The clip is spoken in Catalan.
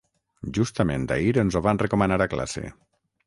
Justament ahir ens ho van recomanar a classe.